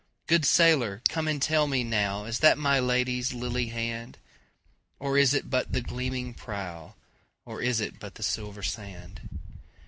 Good sailor come and tell me nowIs that my Lady's lily hand? Or is it but the gleaming prow, Or is it but the silver sand?